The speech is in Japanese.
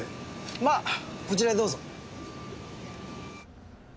まあこちらへどうぞ。